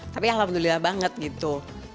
tapi alhamdulillah banget gitu